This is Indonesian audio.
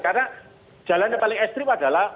karena jalan yang paling ekstrim adalah